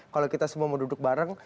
kalau kita semua mau duduk bareng